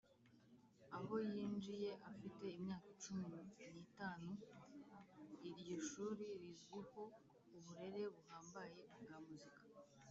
aho yinjiye afite imyaka cumi n’itatu. Iryo shuri rizwiho uburere buhambaye bwa muzika